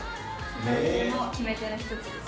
これも決め手の一つです。